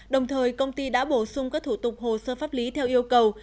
đồng thời công ty đã bổ sung các thủ tục hồ sơ pháp lý theo yêu cầu